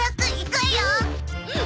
うん！